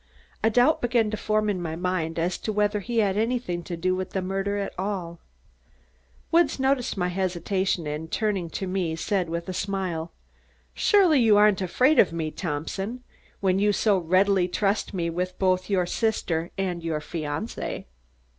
A doubt began to form in my mind as to whether he had anything to do with the murder at all. Woods noticed my hesitation and turning to me said with a smile: "Surely you aren't afraid of me, Thompson, when you so readily trust me with both your sister and your fiancée."